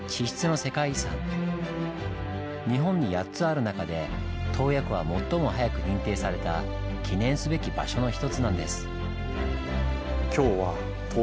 日本に８つある中で洞爺湖は最も早く認定された記念すべき場所の一つなんです。